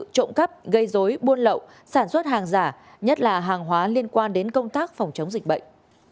trộm cắp gây dối buôn lậu sản xuất hàng giả nhất là hàng hóa liên quan đến công tác phòng chống dịch bệnh